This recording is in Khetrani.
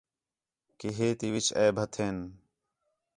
کہ ہے تی وِچ عیب ہتھین